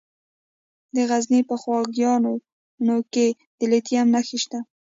د غزني په خوږیاڼو کې د لیتیم نښې شته.